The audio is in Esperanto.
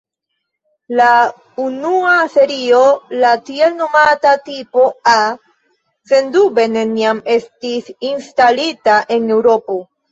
La unua serio, la tiel nomata "Tipo" "A", sendube neniam estis instalita en Eŭropo.